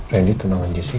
randy tunangan jessica